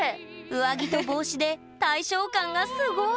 上着と帽子で大正感がすごい！